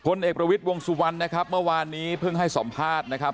เอกประวิทย์วงสุวรรณนะครับเมื่อวานนี้เพิ่งให้สัมภาษณ์นะครับ